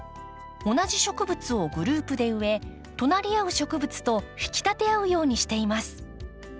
同じ植物をグループで植え隣り合う植物と引き立て合うようにしています。